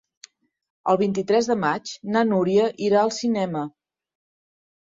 El vint-i-tres de maig na Núria irà al cinema.